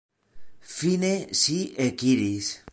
Fine si ekiris.